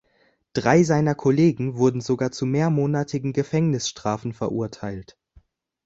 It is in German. Drei seiner Kollegen wurden sogar zu mehrmonatigen Gefängnisstrafen verurteilt.